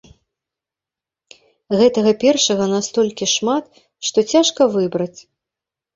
Гэтага першага настолькі шмат, што цяжка выбраць.